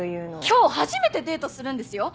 今日初めてデートするんですよ？